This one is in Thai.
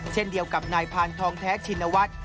เช่นเดียวกับนายพานทองแท้ชินวัฒน์